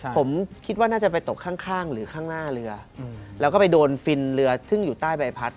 ผมคิดว่าน่าจะไปตกข้างหรือข้างหน้าเรือแล้วก็ไปโดนฟินเรือซึ่งอยู่ใต้ใบพัด